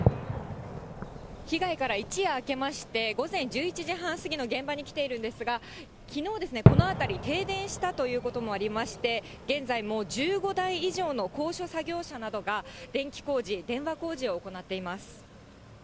被害から一夜明けまして、午前１１時半過ぎの現場に来ているんですが、きのう、この辺り停電したということもありまして、現在も１５台以上の高所作業車などが、電気工事、電話工事を行っています。